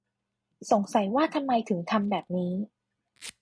สงสัยว่าทำไมถึงทำแบบนี้